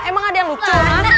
emang ada yang lucu